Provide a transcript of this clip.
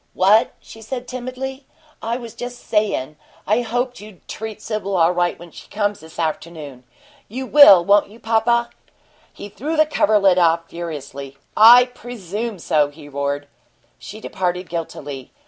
"What?" she said, timidly. "I was just sayin' I hoped you'd treat Sibyl all right when she comes, this afternoon. You will, won't you, papa?" He threw the coverlet off furiously. "I presume so!" he roared. She departed guiltily.